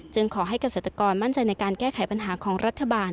ขอให้เกษตรกรมั่นใจในการแก้ไขปัญหาของรัฐบาล